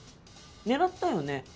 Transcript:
狙ったよね？